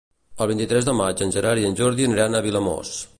El vint-i-tres de maig en Gerard i en Jordi aniran a Vilamòs.